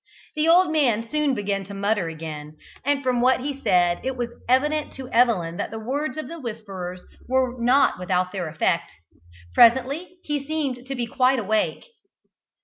The old man soon began to mutter again, and from what he said it was evident to Evelyn that the words of the whisperers were not without their effect. Presently he seemed to be quite awake.